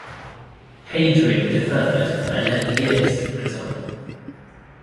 Hadrian deferred for eleven years, for example.